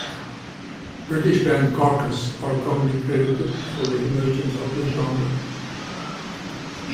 British band Carcass are commonly credited for the emergence of the genre.